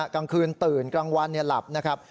กลางคืนตื่นกลางวันหลับนะครับ